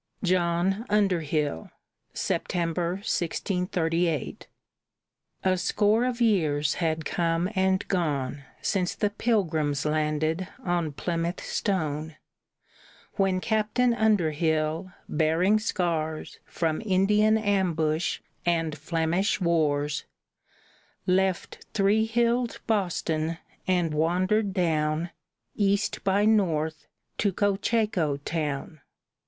JOHN UNDERHILL [September, 1638] A score of years had come and gone Since the Pilgrims landed on Plymouth stone, When Captain Underhill, bearing scars From Indian ambush and Flemish wars, Left three hilled Boston and wandered down, East by north, to Cocheco town.